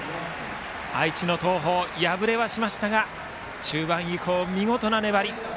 愛知の東邦、敗れはしましたが中盤以降、見事な粘り。